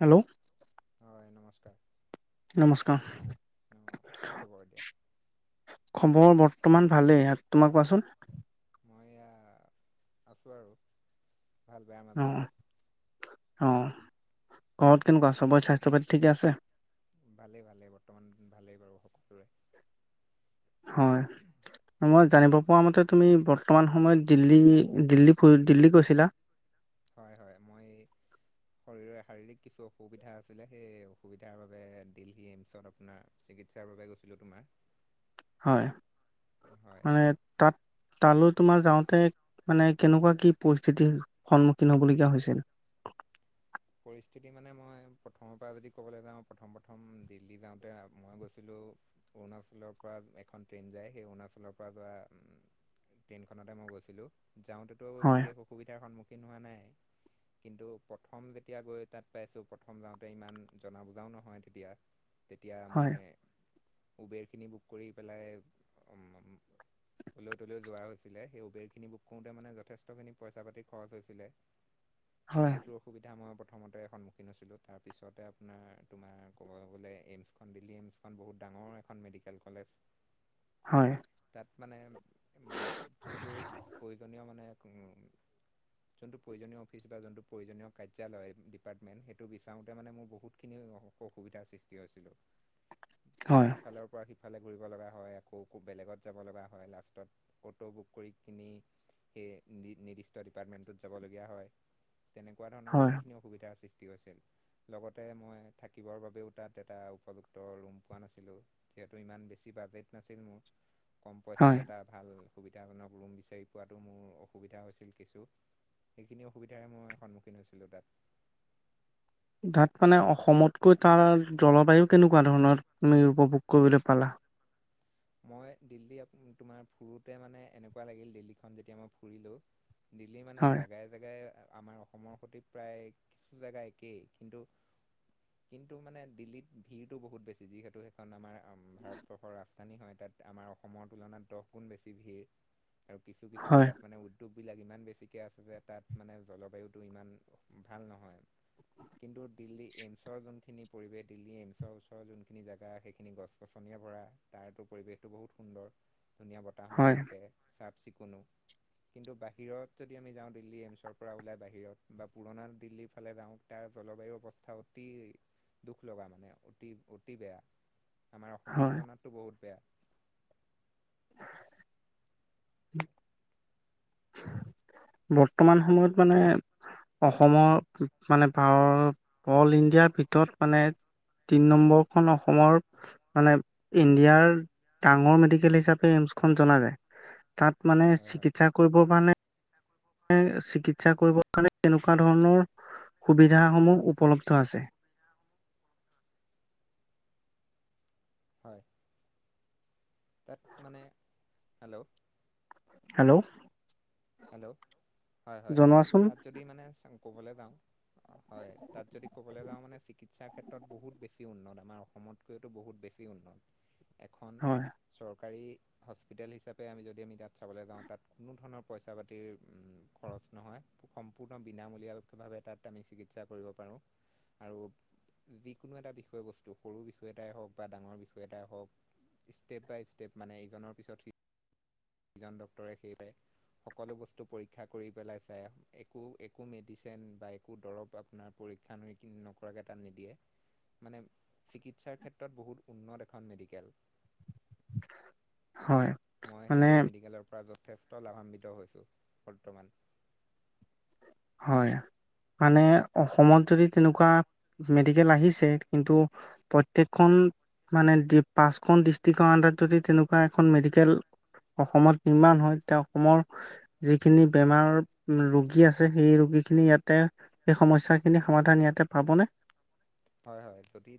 Hello. হয় নমস্কাৰ। অ কি খবৰ এতিয়া নমস্কাৰ খবৰ বৰ। তামান ভালেই তোমাৰ কোৱাচোন? মই এয়া আছোঁ আৰু। ভাল বেয়াৰ অ মাজতে অ ঘৰত কেনেকুৱা চবৰে স্বাস্থ্য প ঠিক আছে। ভালেই ভালেই বৰ্তমান ভালেই বাৰু সকলোৰে। হয় ম জানিব পৰা মতে তুমি বৰ্তমান সময়ত দিল্লী দিল্লী ফুৰি দিল্লী গৈছিলা। হয় হয় মই এই শৰৰে শাৰীৰিক কিছু অসুবিধা আছিলে সেই অসুবিধাৰ বাবে দিল্লী এইমচত আপোনাৰ চিকিৎসাৰ বাবে গৈছিলো তোমাৰ। হয় হয় মানে তাত তালৈ তোমাৰ যাওঁতে মানে কেনেকুৱা কি পৰিস্থিতিৰ সন্মুখীন হ'বলগীয়া হৈছিল? [inaudible] পৰিস্থিতি মানে মই প্ৰথমৰ পৰা যদি ক'বলৈ যাওঁ প্ৰথম প্ৰথম দিল্লী যাওঁতে মই গৈছিলোঁ। অৰুণাচলৰ পৰা এখন ট্ৰেইন যায় সেই অৰুণাচলৰ পৰা যোৱা উ ট্ৰেইনখনতে মই গৈছিলোঁ। যাওঁতেটো হয় বিশেষ অসুবিধাৰ সন্মুখীন হোৱা নাই কিন্তু প্ৰথম যে তিয়া গৈ তাত পাইছোঁ প্ৰথম যাওঁতে ইমান জনা বুজাও নহয় তেতিয়া। তেতিয়া হয় মই উবেৰখিনি বুক কৰি পেলাই অম মম এলৈ তলৈও যোৱা হৈছিলে সেই উবেৰখিনি বুক কৰোঁতে মানে যথেষ্টখিনি পইচা পাতি খৰচ হৈছিলে। হয় সেইটো অসুবি মই প্ৰথমতে সন্মুখীন হৈছিলো তাৰপিছতে আপোনাৰ তোমাৰ ক'ব গ'লে এইমছখন দিল্লী এইমছ বহুত ডাঙৰ এখন মেডিকেল কলেজ। হয় তাত মানে উম, যোনটো প্ৰয়োজনীয় মানে উম, যোনটো প্ৰয়োজনীয় অফিচ বা যোনটো প্ৰয়োজনীয় কাৰ্যালয়, ডিপাৰ্টমেণ্ট সেইটো বিচাৰোতে মানে মোৰ বহুতখিনি অসুবিধাৰ সৃষ্টি হৈছিলোঁ। হয় ইফালৰ পৰা সিফ ফালে ঘূৰিব লগা হয় আকৌ ব বেলেগত যাব লগা হয় লাষ্টত, অটো বুক কৰি কিনি সেই নি-নিৰ্দিষ্ট ডিপাৰ্টমেন্টত যাবলগীয়া হয় তেনেকুৱা ধৰণৰ হয় বহুতখিনি অসুবিধাৰ সৃষ্ তি হৈছিল। লগতে মই থাকিবৰ বাবেও তাত এটা উপযুক্ত ৰুম পোৱা নাছিলো যিহেতু ইমান বেছি বাজেট নাছিল মোৰ, কম পইচাত হয় এটা ভাল অসুবিধাজনক ৰুম বিচাৰি পোৱাতো মোৰ অসুবিধা হৈছিল কিছু সেইখিনি অসুবিধাৰে মই সন্মুখীন। [inaudible] তাত মানে অসমতকৈ তাৰ জলবায়ু কেনেকুৱা ধৰণৰ তুমি উপভোগ কৰিবলৈ পালা। মই দিল্লী তোমাৰ ফুৰোতে মানে এনেকুৱা লাগিল দিল্লীখন যেতিয়া মই ফুৰিলো। দিল্লি মানে হয় জোগাই জেগাই। আমাৰ অসমৰ সৈতে প্ৰায় কিছু জোগা একেই কিন্তু। কিন্তু মানে দিল্লীত ভিৰতটো বহুত বেছি যিহেতু সেইখন আমাৰ ভাৰতবৰ্ষৰ ৰা। হয় তাত আমাৰ অসমৰ তুলনাত দহ গুণ বেছি ভিৰ আৰু কিছু কিছু হয় জেগাত মানে উদ্যোগ। বিলাক ইমান বেছিকে আছে যে তাত মানে জলবায়ুতটো ইমান ভাল নহয়। কিন্তু দিল্লী এইমছৰ যোনখিনি পৰিৱেশ দিল্লী এইমছৰ ওচৰ যোনখিনি জাগা সেইখিনি গছ গছনিয় ভৰা। তাৰতো পৰিৱেশতটো বহুত সুন্দৰ ধুনীয়া বতাহ মাৰি হয় থাকে চাফ চিকুণো। কিন্তু বাহিৰত যদি আমি যাওঁ দিল্লী এইমছৰ পৰা ওলাই বাহিৰত বা পুৰণা দিল্লীৰ ফালে যাওঁ তাৰ। জলবায়ুৰ অৱস্থা অতি দুখ লগা মানে অতি অতি বেয়া। আমাৰ অসমৰ হয় তুলনাতটো বহুত বেয়া। উম। বৰ্তমান সময়ত মানে। অসমৰ মানে ভ অল ইণ্ডিয়াৰ ভিতৰত মানে। তিনি নম্বৰখন অসমৰ মানে ইণ্ডিয়াৰ। ডাঙৰ মেডিকেল হিচাপে এইমছ খ জনা যায় তাত মানে হয় হয় চিকিৎসা কৰিবৰ কাৰণে। চিকিৎসা কৰিব কাৰণে তেনেকুৱা ধৰণৰ। সুবিধাসমূহ উপলব্ধ আছে। অ। হয় তাত মানে হেল্ল'। হেল্ল'। হেল্ল' হয়, হয়, জনোৱাচোন তাত যদি মানে ক'বলৈ যাওঁ। হয়, তাত যদি ক'বলৈ যাওঁ মানে চিকিৎসা ক্ষেত্ৰত বহুত বেছি উন্নত আমাৰ অসমতকৈতো বহুত বেছি উন্নত। এখন হয় চৰকাৰী হস্পিতেল হিচাপে আমি যদি আমি তাত চাবলৈ যাওঁ, তাত কোনো ধৰণৰ পইচা পাতিৰ উম, খৰচ নহয় সম্পূৰ্ণ বিনামূলীয়াভাৱে তাত আমি চিকিৎসা কৰিব পাৰোঁ। আৰু যিকোনো এটা বিষয়বস্তু সৰু বিষয় এটাই হওঁক বা ডাঙৰ বিষয় এটাই হওঁক। ষ্টেপ বাই ষ্টেপ মানে ইকনৰ পিছত সি জন ডক্তৰে [unintelligible] সকলো বস্তু পৰা পেলাই চাই একো, একো মেডিচিন একো দৰব আপোনাৰ পৰীক্ষা [unintelligible] নকৰাকে তাত নিদিয়ে। মানে চিকিৎসাৰ ক্ষেত্ৰত বহুত উন্নত এখন মেডিকেল। হয়, মই মানে সেই মেডিকেলৰ পৰা যথেষ্ট লাভান্বিত হৈছো বৰ্তমান। হয়। মানে অসমত যদি তেনেকুৱা মেডিকেল আহিছে কিন্তু প্ৰত্যেকখন মানে ডিব পাঁচখন ডিষ্ট্ৰিকৰ আণ্ডাৰত যদি তেনেকুৱা এখন মেডিকেল অসমত ইমান হয় এতিয়া অসমৰ যিখিনি বেমাৰ ৰোগী আছ ছে সেই ৰোগীখিনি ইয়াতে সেই সমস্যাখিনি সমাধান ইয়াতে পাবনে? হয়, হয়, যদি,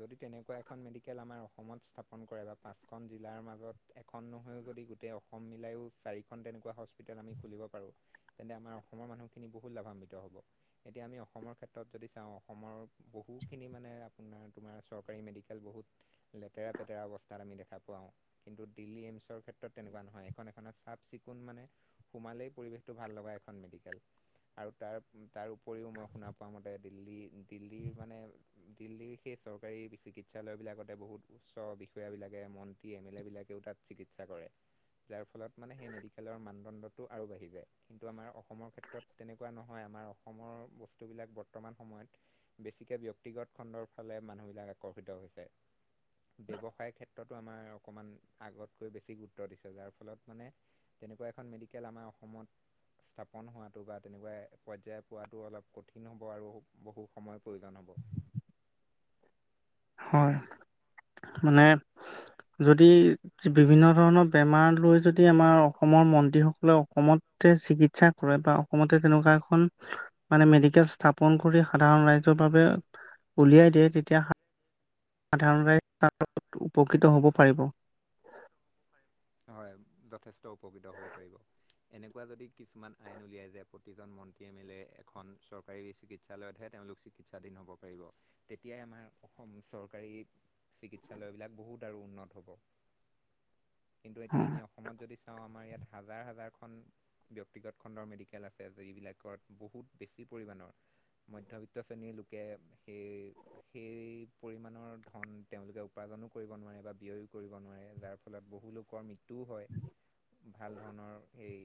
যদি তেনেকুৱা এখন মেডিকেল আমাৰ অসমত স্থাপন কৰে বা পাঁচখন জিলাৰ মাজত এখন নহয়ো যদি গোটেই অসম মিলায়ো চাৰিখন তেনেকুৱা হস্পিতাল আমি খুলিব পাৰোঁ তে ন্তে আমাৰ অসমৰ মানুহখিনি বহুত লাভান্বিত হ'ব এতিয়া আমি অসমৰ ক্ষেত্ৰত যদি চাওঁ অসমৰ বহু খিনি মানে আপোনাৰ তোমাৰ চৰকাৰী মেডিকেল বহুত লেতেৰা পেতেৰা অৱস্থাত আমি দেখা পাৱাওঁ। কিন্তু দিল্লী এইমছৰ ক্ষেত্ৰত তেনেকুৱা নহয়, এখন এখনত চাফ-চিকুণ মানে সোমালেই পৰিৱেশটো ভাল লগা এখ খন মেডিকেল আৰু তাৰ তাৰ উপৰিও মই শুনা পোৱা মতে দিল্লী দিল্লীৰ মানে দিল্লীৰ সেই চৰকাৰী চিকিৎসালয় বিলাকতে বহুত উচ্চ বিষয়া বিলাকে মন্ত্ৰী এম এল এ বিলাক [unintelligible] তাত চিকিৎসা কৰে। যাৰ ফলত মানে সেই মেডিকেলৰ মানদণ্ডটো আৰু বাঢ়ি যায়, কিন্তু আমাৰ অসমৰ ক্ষেত্ৰত তেনেকুৱা নহয়। আমাৰ অসমৰ বস্তুবিলাক বৰ্তমান সময়ত বেছি‌কে ব্য ব্যক্তিগত খণ্ডৰ ফালে মানুহবিলাক আকৰ্ষিত হৈছে। ব্যৱসায় ক্ষেত্ৰতো আমাৰ অকমান আগতকৈ বেছি গুৰুত্ব দিছে যাৰ ফলত মানে তেনেকুৱা এখন মেডিকেল আমাৰ অসমত স্থাপন হোৱাটো বা তেনেকুৱা পৰ্যায় পোৱাটো অলপ কঠিন হ'ব আৰু বহু সময়ৰ প্ৰয়োজন হ'ব। হয়, মানে যদি বিভিন্ন ধৰণৰ বেমাৰ লৈ যদি আমাৰ অসমৰ মন্ত্ৰী সকলে অসমত চিকিৎসা কৰে বা অসমতে তেনেকুৱা এখন মানে মেডিকেল স্থাপন কৰি সাধাৰণ ৰাইজৰ বাবে উলিয়াই দিয়ে তেতিয়া সাধাৰণ ৰাইজ [inaudible] উপকৃত হ'ব পাৰিব। হয়, যথেষ্ট উপকৃত হ'ব পাৰিব। এনেকুৱা যদি কিছুমান আইন উলিয়াই যে, প্ৰতিজন মন এম এ লে এখন চৰকাৰী চিকিৎসালয়তহে তেওঁলোক চিকিৎসাধীন হ'ব পাৰিব, তেতিয়াই আমাৰ অসম চৰকাৰী চিকিৎসালয় বিলাক বহুত আৰু উন্নত হ'ব। কিন্তু এতিয়া আমি অসমত যদি চাওঁ, আমাৰ ইয়াত হাজাৰ, হাজাৰখন ব্যক্তিগত খণ্ডৰ মেডিকেল আছে, যিবিলাকত বহুত বেছি পৰিমাণৰ মধ্যবিত্ত শ্ৰেণীৰ লোকে সেই, সেই পৰিমাণৰ ধন তেওঁলোকে উপা জনো কৰিব নোৱাৰে, বা ব্যয়ো কৰিব নোৱাৰে, যাৰ ফলত বহুলোকৰ মৃত্যুও হয়, ভাল ধৰণৰ সেই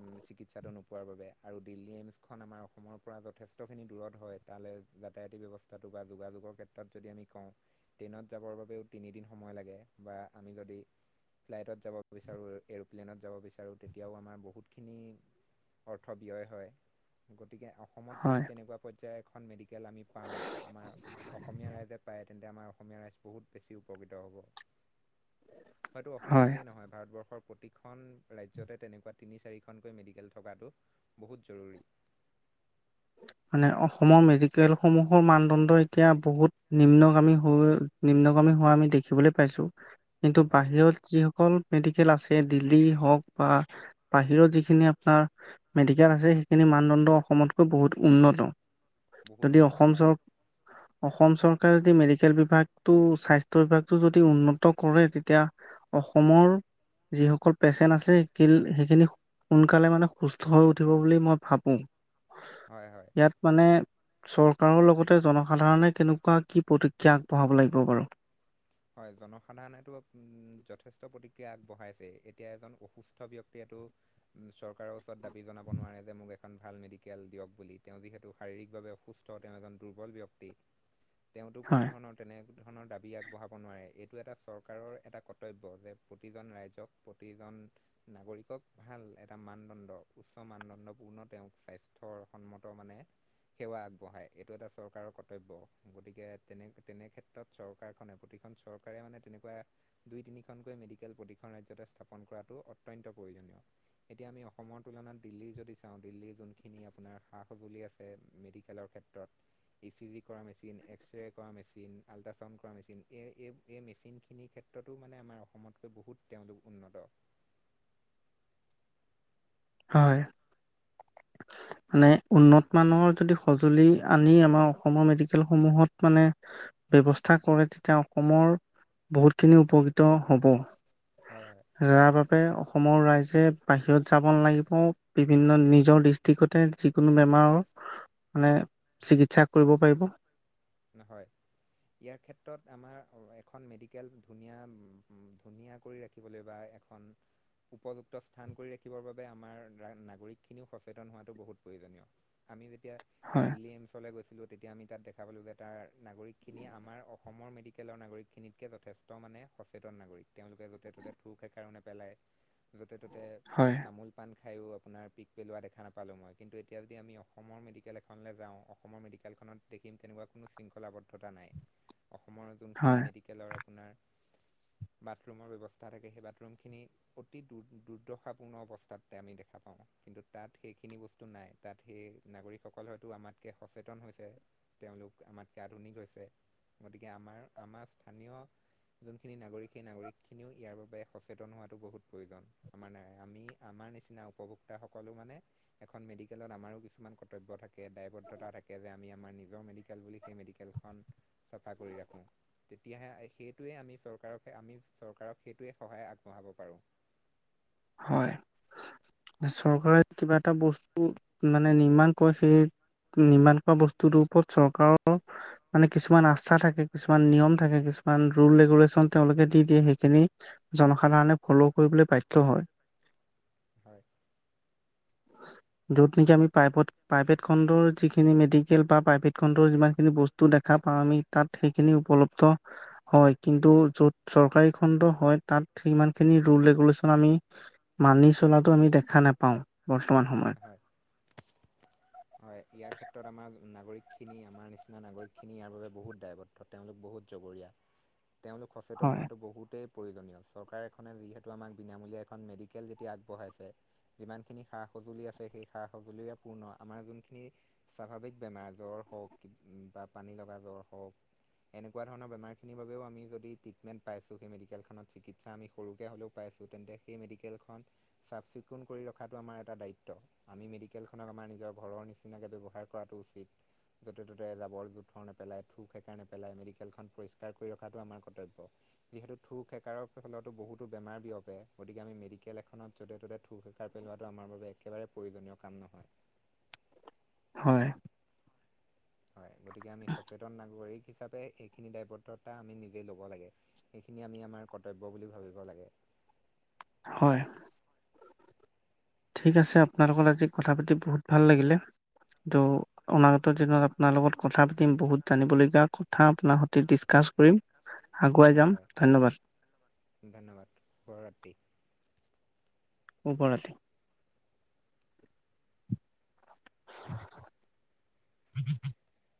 উম, চিকিৎসাটো নোপোৱাৰ বাবে আৰু দিল্লী এইমছ খন আমাৰ অসমৰ পৰা যথেষ্ট খিনি দূৰত হয়, তাত [unintelligible] যাতায়তি ব্যৱস্থাটো বা যোগাযোগৰ ক্ষেত্ৰত যদি আমি কওঁ, ট্ৰেইনত যাবৰ বাবেও‌ তিনিদিন সময় লা লাগে বা আমি যদি ফ্লাইটত যাব বিচাৰোঁ, এৰ'প্লেনত যাব বিচাৰোঁ তেতিয়াও আমাৰ বহুতখিনি অৰ্থ ব্যয় হয় গতিকে অ' অসমত হয় যদি তেনেকুৱা পৰ্যায়ৰ এখন মেডিকেল আমি পাওঁ, আমাৰ অসমীয়া ৰাইজে পায়। তেন্তে আমাৰ অসমীয়া ৰাইজ বহুত বেছি উপকৃত হ'ব। হয়তটো অসম হয় বুলিয়ে নহয় ভাৰতবৰ্ষৰ খন ৰাজ্যতে তেনেকুৱা তিনি চাৰিখনকৈ মেডিকেল থকাটো বহুত জৰুৰী [unintelligible] মানে অসমৰ মেডিকেলসমূহৰ মানদণ্ড এতিয়া বহুত নিম্নগামী হৈ নিম্নগামী ব হয় ব ণ্ড অসমতকৈ বহুত উন্নত বহুত যদি উন্নত অসম হয়। চৰকাৰ অসম চৰকাৰে যদি মেডিকেল বিভাগটো স্বাস্থ্য বিভাগতটো যদি উন্নত কৰে তেতিয়া অসমৰ যিসকল পেচেণ্ট আছে সেইখিনি সোনকালে মানে সুস্থ হৈ উঠিব বুলি মই ভাবো হয় হয় ইয়াত মানে চৰকাৰৰ লগতে জনসাধাৰণে কেনেকুৱা কি প্ৰতিক্ৰিয়া আগবঢ়াব লাগিব বাৰু হয় জনসাধাৰণেতো উম যথেষ্ট প্ৰতিক্ৰিয়া আগবঢ়াইছে এতিয়া এজন অসুস্থ ব্য্ক্তিয়ে চৰকাৰৰ ওচৰত দাবী জনাব নোৱাৰে যে মোক এখন ভাল মেডিকেল দিয়ক বুলি তেওঁ যিহেতু শাৰীক অসুস্থ তেওঁ এজন দুৰ্বল ব্যক্তি তেওঁতো কোনো হয়। ধৰণৰ তেনে ধৰণৰ দাবী আাক বঢ়াব নোৱাৰে এইটো এটা চৰকাৰৰ এটা কৰ্তব্য যে প্ৰতিজন ৰাইজক প্ৰতিজন নাগ পৰিকক ভাল এটা মানদণ্ড উচ্চ মানদণ্ড পূৰ্ণ তেওঁক স্বাস্থ্যৰ সন্মত মানে সেৱা আগবঢ়াই এইটো এটা চৰকাৰৰ কৰ্তব্য গতিকে তেনে তেনে ক্ষেত্ৰত চৰকাৰ প্ৰতিখন চৰকাৰে মানে তেনেকুৱা দুই তিনিখনকৈ মেডিকেল প্ৰতিন ৰাজয়তে স্থাপন কৰাটোো অতয়ন্ত প্ৰয়োজনীয় এতিয়া আমি অসমৰ তুলনাত দিল্লী যদি চাও দিল্লীৰ যোনখিনি আপোনাৰ সা সজুলি আছে [unintelligible] মেচিন এই এই এই মেচিনখিনিৰ ক্ষেত্ৰতো মানে আমাৰ অসমতকৈ বহুত তেওঁলোক উন্নত [unintelligible] হয় [unintelligible] মানে উন্নত মানৰ যদি সঁজুলি আনি আমাৰ অসমৰ মেডিকেল সমূহত মানে ব্য্ৱস্থা কৰে তেতিয়া অসমৰ বহুতখিনি উপকৃত হ'ব হয় হয় ৰা ব অসমৰ ৰাইজে বাহিৰত যাব নালাগিব বিভিন্ন নিজৰ ডিষ্ট্ৰিক্টতে যিকোনো বেমাৰ মানে চিকিৎসা কৰিব পাৰিব নহয় ইয়াৰ ক্ষেত্ৰত আমাৰ এখন মেডিকেল ধুনীয়া ধুনীয়া কৰি ৰাখিবলৈ বা এখন উপযুক্ত স্থান কৰি ৰাখিবৰ বাবে আমাৰ নাগৰিক খিনিও সেতন হোৱাো বহুত প্ৰয়োজনীয় আমি তেতিয়া হয় দিল্লী এইমচলৈ গৈছিলো তেতিয়া আমি তাত দেখা পালো যে তাৰ নাগৰিকখিনি আমাৰ অসমৰ মেডিকেলৰ নাগৰিকখিনিতকৈ যথেষ্ট মানে সচেতন নাগৰিক তেওঁলোক য'তে ত'তে থ স কাৰণে পেলাই য'তে ত'তে হয় তামোল পা খায়ো আপোনাৰ পিক পেলোৱা দেখা নাপালোঁ মই কিন্তু এতিয়া যদি আমি অসমৰ মেডিকেল এখনলৈ যাওঁ অসমৰ মেডিকেলখন কোনো শৃখলদ্ধা নাই অসমখিন হয় আপোনাৰ বাথৰুমৰ ব্যৱস্থা থাকে সেই বাথৰুম খিনি অতি দুৰ্দশাপূৰ্ণ অৱস্থা আমি দেখাা া কিন্তু তাত সেইখিনি বস্তু নাই তাত সেই নাগৰিকসকল হয়তো আমাতকে সচেতন হৈছে তেওঁলোক আমাত ক ধনি গৈছে গতিকে আমাৰ আমাৰ স্থানীয় যোনখিনি নাগৰিক সেই নাগৰিক খিনিও ইয়াৰ বাবে সচেতন হোৱাো বহুত প্ৰয়োজন আমাৰ ন আমি আমাৰ মাৰ নিচিনা উপভোক্তা সকলো মানে এখন মেডিকেলত আমাৰো কিছুমান কৰ্তব্য থাকে তাকে দায়বদ্ধতা থাকে যেমি আমাৰ নিজৰ মেডিক ম চ কৰি ৰা সেইটোোৱে আমি চকাৰি চৰকাৰক সেইটোোৱে সহায় আগবঢ়াব পাৰোঁ হয় চৰকাৰে কিবা এটা বস্তু মানে নিৰ্মাণ কৰে সেই নিৰ্মাণ কৰা বস্তুটোৰ ওপৰত চৰকাৰৰ মানে কিছুমান আস্থা থাকে, কিছুমান নিয়ম থাকে, কিছুমান ৰুল ৰেগুলেশচন তেওঁলোকে দি দিয়ে সেইখিনি জনসাধাৰণে ফ'ল' কৰিবলৈ বাধ্য হয়। হয়। [inaudible] য'ত নেকি আমি পাইপত পাইপেট খণ্ডৰ যিখিনি মেডিকেল বা পাইভেট খণ্ডৰ যিমানখিনি বস্তু দেখা পাৰা আমি তাত সেইখিনি উপলব্ধ হয়। কিন্তু য'ত চৰকাৰী খণ্ড হয় তাত থিমানখিনি ৰুল ৰেগুলেশচন আমি মানি চলাটো আমি দেখা নেপাওঁ। [unintelligible] সময় হয় হয়। ইয়াৰ ক্ষেত্ৰত আমাৰ নাগৰিকখিনি আমাৰ নিচিনা নাগৰিকখিনি ইয়াৰ বাবে বহুত দায়বদ্ধ। তেওঁলোক বহুত জগৰীয়া। তেওঁলোক সচেতন হয় হোৱাতো বহুতে প্ৰয়োজনীয়। চৰকাৰ এখনে যিহেতু আমাক বিনামূলীয়া এখন মেডিকেল যেতিয়া আগবঢ়াইছে। যিমানখিনি সা সঁজুলি আছে সেই সা সঁজুলিৰে পূৰ্ণ আ আমাৰ যোনখিনি স্বাভাৱিক বেমাৰ জ্বৰ হওঁক বা পানী লগা জ্বৰ হওঁক। এনেকুৱা ধৰণৰ বেমাৰখিনি বাবেও আমি যদি ট্ৰিটমেণ্ট পাইছোঁ, সেই মেডিকেলখনত চিকিৎসা আমি সৰুকে হ'লেও পাইছ তেন্তে, সেই মেডিকেল খন চাফ চিকুণ কৰি ৰখাতটো আমাৰ এটা দায়িত্ব। আমি মেডিকেল খনক আমাৰ নিজৰ ঘৰৰ নিচিনাকে ব্যৱহাৰ কৰাটো উচিত। য'তে ত'তে জাবৰ জোথৰ নেপেলাই থু সেকাৰ নেপেলাই, মেডিকেলখন পৰিস্কাৰ কৰি ৰখাটো আমাৰ কৰ্তব্য। যিহেতু থোক সেকাৰৰ ফলতো বহুতো বেমাৰ বিয়পে গতিকে আমি মেডিকেল এখনত যতে ততে থোক সেকাৰ পেলোৱাটো আমাৰ বাবে একেবাৰে প্ৰয়োজনীয় কাম নহয়। হয়। হয় গতিকে আমি সচেতন নাগৰিক হিচাপে এইখিনি দায়বদ্ধতা আমি নিজে লব লাগে। এইখিনি আমি আমাৰ কৰ্তব্য বুলি ভাবিব লাগে। হয়। ঠিক আছে, আপোনাৰ লগত আজি কথা পাতি বহুত ভাল লাগিলে। ত' অনাগত দিনত আপোনাৰ লগত কথা পাতিম বহুত জানিব লগিয়া কথা আপোনাৰ সতে ডিচকাচ কৰিম, আগুৱাই হয় যাম হয় ধন্যবাদ। ধন্যবাদ শুভৰাত্ৰি। ওপৰতে‍‌‌ [inaudible]